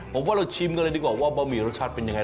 ผมว่าเราชิมกันเลยดีกว่าว่าบะหมี่รสชาติเป็นยังไง